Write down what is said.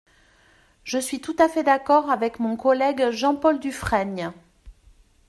Je suis tout à fait d’accord avec mon collègue Jean-Paul Dufrègne.